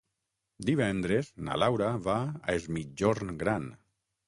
Divendres na Laura va a Es Migjorn Gran.